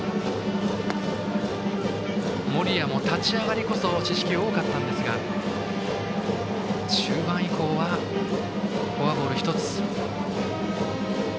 森谷も立ち上がりこそ四死球が多かったんですが中盤以降はフォアボール１つ。